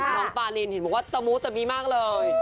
น้องปารินเห็นบอกว่าตะมู้ตะมิมากเลย